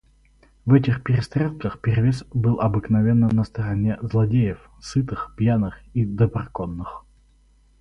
В этих перестрелках перевес был обыкновенно на стороне злодеев, сытых, пьяных и доброконных.